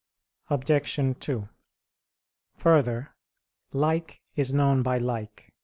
Obj. 2: Further, like is known by like.